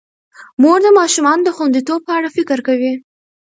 مور د ماشومانو د خوندیتوب په اړه فکر کوي.